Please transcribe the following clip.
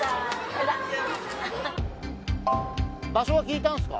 場所は聞いたんですか？